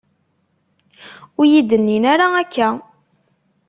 Ur yi-d-nnin ara akka.